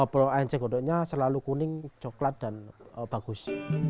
pro ece gondoknya selalu kuning coklat dan bagus